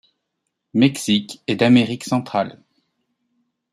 Mexique et d'Amérique centrale.